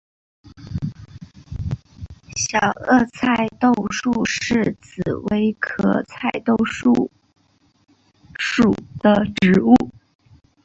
小萼菜豆树是紫葳科菜豆树属的植物。